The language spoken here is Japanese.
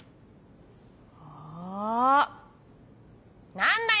何だよ！